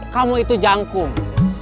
kamu itu jangkung